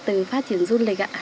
từ phát triển du lịch